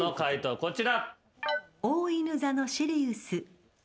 こちら。